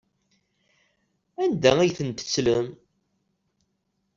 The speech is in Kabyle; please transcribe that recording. Anda ay tent-tettlem?